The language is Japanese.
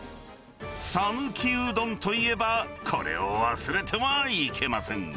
讃岐うどんといえば、これを忘れてはいけません。